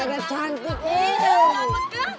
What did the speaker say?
ini jangan pegang